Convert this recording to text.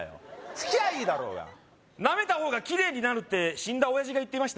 拭きゃあいいだろうがなめた方がキレイになるって死んだ親父が言ってました